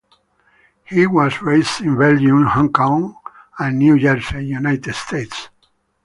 He was raised in Belgium, Hong Kong, and New Jersey, United States.